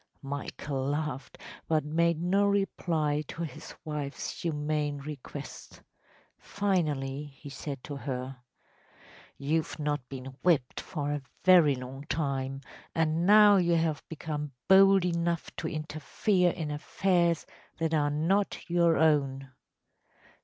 ‚ÄĚ Michael laughed, but made no reply to his wife’s humane request. Finally he said to her: “You’ve not been whipped for a very long time, and now you have become bold enough to interfere in affairs that are not your own.